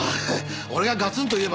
俺がガツンと言えば。